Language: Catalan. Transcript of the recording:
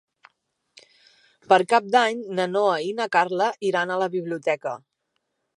Per Cap d'Any na Noa i na Carla iran a la biblioteca.